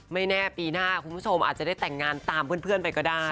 ไม่แน่ปีหน้าคุณผู้ชมอาจจะได้แต่งงานตามเพื่อนไปก็ได้